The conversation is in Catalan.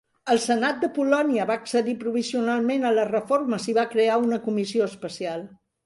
El senat de Polònia va accedir provisionalment a les reformes i va crear una comissió especial.